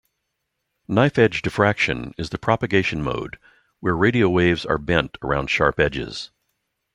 Knife-edge diffraction is the propagation mode where radio waves are bent around sharp edges.